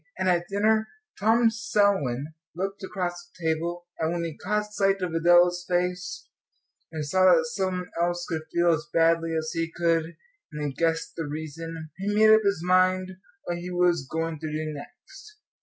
And at dinner Tom Selwyn looked across the table, and when he caught sight of Adela's face, and saw that some one else could feel as badly as he could, and he guessed the reason, he made up his mind what he was going to do next.